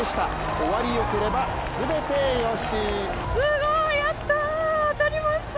終わりよければすべてよし。